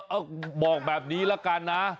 บอกแบบนี้ละกันนะ